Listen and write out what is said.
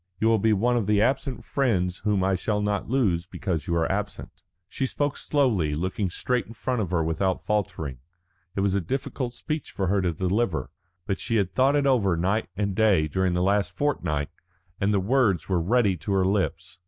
You will be one of the absent friends whom I shall not lose because you are absent." She spoke slowly, looking straight in front of her without faltering. It was a difficult speech for her to deliver, but she had thought over it night and day during this last fortnight, and the words were ready to her lips.